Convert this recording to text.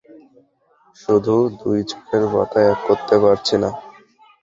শুধু দুই চোখের পাতা এক করতে পারছি না!